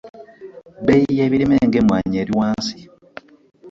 Ebbeeyi y'ebirime nga emmwanyi eri wansi.